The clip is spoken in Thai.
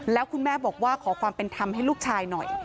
แล้วคุณแม่บอกว่าขอความเป็นธรรมให้ลูกชายหน่อย